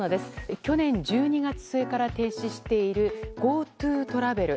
去年１２月末から停止しているＧｏＴｏトラベル。